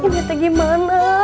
cik ida gimana